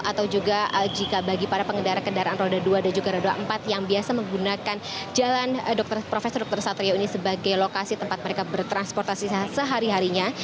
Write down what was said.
dan juga penutup atau juga jika bagi para pengendara kendaraan roda dua dan juga roda empat yang biasa menggunakan jalan profesor dr satrio ini sebagai lokasi tempat mereka bertransportasi sehari harinya